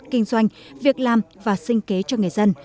kinh doanh việc làm và sinh kế cho người dân